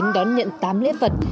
đón nhận tám lễ vật